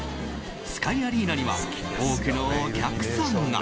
スカイアリーナには多くのお客さんが。